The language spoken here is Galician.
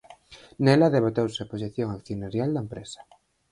Nela debateuse a posición accionarial da empresa.